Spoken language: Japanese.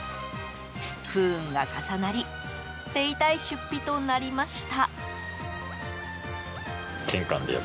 不運が重なり手痛い出費となりました。